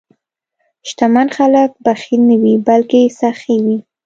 شتمن خلک بخیل نه وي، بلکې سخي وي.